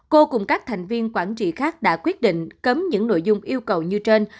cô cùng các thành viên quản trị khác đã quyết định cấm những nội dung yêu cầu như trên